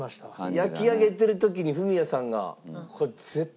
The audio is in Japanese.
焼き上げてる時にフミヤさんが。